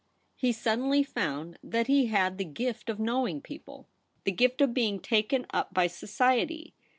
He sud denly found that he had the gift of knowing people ; the gift of being taken up by society.